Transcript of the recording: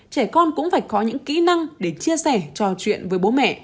trẻ con cũng phải có những kỹ năng để chia sẻ trò chuyện với bố mẹ